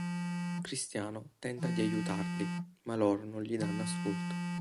Cristiano tenta di aiutarli, ma loro non gli danno ascolto.